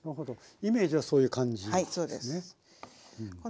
イメージはそういう感じなんですね。